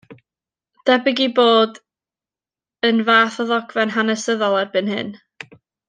Debyg ei bod yn fath o ddogfen hanesyddol erbyn hyn.